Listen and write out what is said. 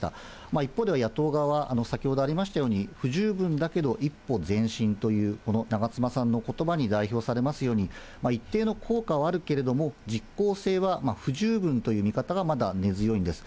一方では野党側は先ほどありましたように、不十分だけど、一歩前進という、この長妻さんのことばに代表されますように、一定の効果はあるけれども、実効性は不十分という見方がまだ根強いんです。